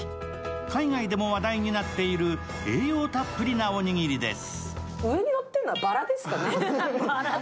海外でも話題になっている栄養たっぷりなおにぎりです。